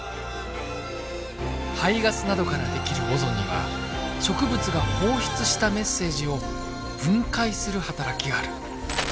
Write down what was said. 排ガスなどから出来るオゾンには植物が放出したメッセージを分解する働きがある。